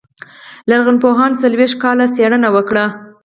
لرغونپوهانو څلوېښت کاله څېړنه وکړه.